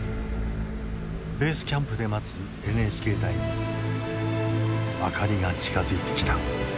ベースキャンプで待つＮＨＫ隊に明かりが近づいてきた。